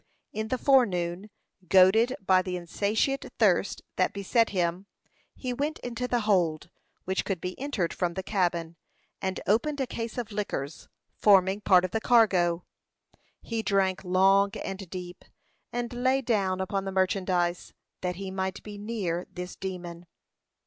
In the forenoon, goaded by the insatiate thirst that beset him, he went into the hold, which could be entered from the cabin, and opened a case of liquors, forming part of the cargo. He drank long and deep, and lay down upon the merchandise, that he might be near this demon.